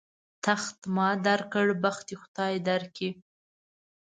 تخت ما در کړ، بخت دې خدای در کړي.